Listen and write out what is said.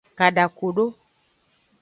Kadakodo.